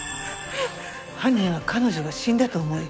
犯人は彼女が死んだと思い